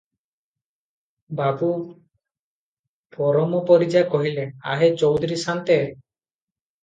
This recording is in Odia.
ବାବୁ ପରମ ପରିଜା କହିଲେ, "ଆହେ ଚୌଧୁରୀ ସାନ୍ତେ!